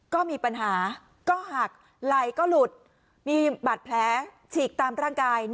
ก็มีปัญหาก็หักไหล่ก็หลุดมีบาดแผลฉีกตามร่างกาย